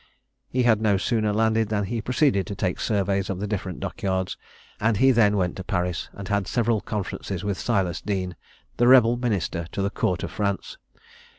He had no sooner landed than he proceeded to take surveys of the different dock yards; and he then went to Paris, and had several conferences with Silas Deane, the rebel minister to the court of France.